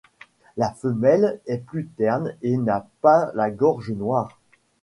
La femelle est plus terne et n'a pas la gorge noire.